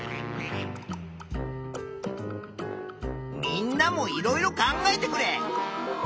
みんなもいろいろ考えてくれ！